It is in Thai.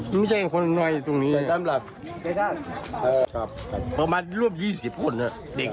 มันไม่ใช่คนหน่อยตรงนี้ประมาณร่วม๒๐คนเด็ก